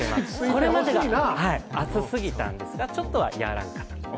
これまでは暑すぎたんですがちょっとは和らぐかなと。